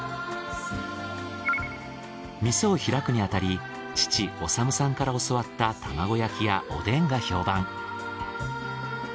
店を開くにあたり父修さんから教わった玉子焼きやおでんが評判。